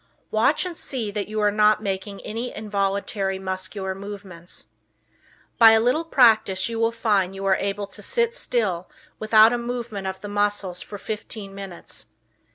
Watch and see that you are not making any involuntary muscular movements. By a little practice you will find you are able to sit still without a movement of the muscles for fifteen minutes.